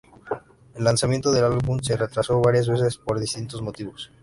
El lanzamiento del álbum se retrasó varias veces por distintos motivos.